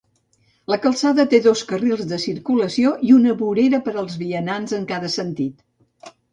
La calçada té dos carrils de circulació i una vorera per a vianants en cada sentit.